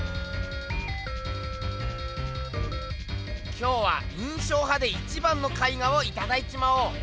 今日は印象派で一番の絵画をいただいちまおう。